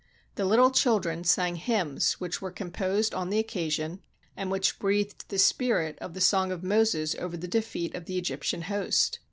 The little chil dren sang hymns which were composed on the occasion, and which breathed the spirit of the song of Moses over the defeat of the Egyptian host.